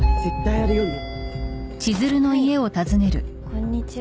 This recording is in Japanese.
こんにちは。